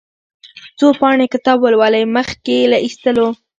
څو پاڼې کتاب ولولئ مخکې له اخيستلو.